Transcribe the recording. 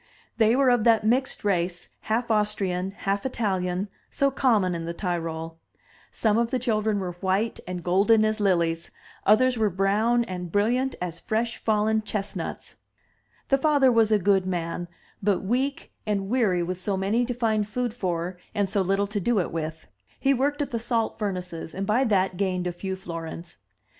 They were of that mixed race, half Austrian, half Italian, so common in the Tyrol; some of the children were white and golden as lilies, others were brown and brilliant as fresh fallen chest nuts. The father was a good man, but weak and weary with so 286 THE TREASURE CHEST many to find food for and so little to do it with. He worked at the salt furnaces, and by that gained a few florins.